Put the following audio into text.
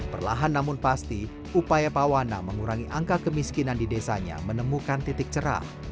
perlahan namun pasti upaya pawana mengurangi angka kemiskinan di desanya menemukan titik cerah